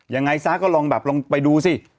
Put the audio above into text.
ยังไงซะก็ลองแบบลองไปดูสิ